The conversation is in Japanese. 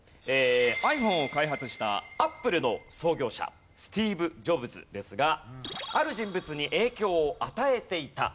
ｉＰｈｏｎｅを開発したＡｐｐｌｅの創業者スティーブ・ジョブズですがある人物に影響を与えていたという事でこんな問題です。